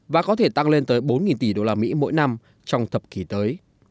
và có thể tăng lên tới bốn tỷ đô la mỹ mỗi năm trong thập kỷ tới